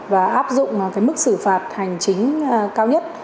và áp dụng cái mức xử phạt hành chính cao nhất